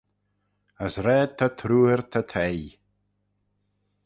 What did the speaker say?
As raad ta troor ta teiy